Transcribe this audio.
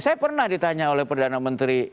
saya pernah ditanya oleh perdana menteri